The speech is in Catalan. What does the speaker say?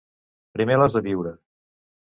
Primer l'has de viure.